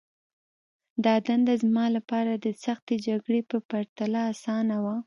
دا دنده زما لپاره د سختې جګړې په پرتله آسانه وه